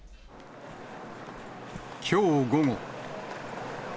きょう午後。